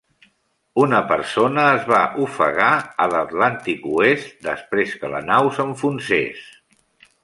Una persona es va ofegar a l'Atlàntic oest després que la nau s'enfonsés.